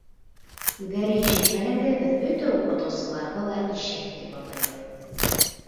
Үҙҙәре ишетмәгәндә беҙ бөтә уҡытыусыларҙы ла ишәк тип атайбыҙ.